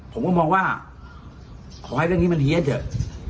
ผมก็มองว่าขอให้เรื่องนี้มันเฮียเถอะ